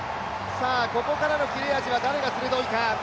ここからの切れ味は誰が鋭いか。